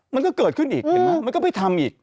มันก็เกิดขึ้นอีกมั้ยมันก็ไปทำอีก